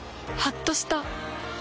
はっとした。